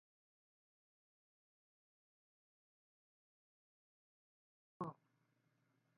Principal is Doctor John Gentilcore.